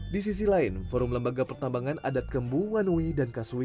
di sisi lain forum lembaga pertambangan adat kembung wanui dan kaswi